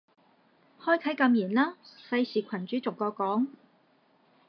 開啟禁言啦，費事群主逐個講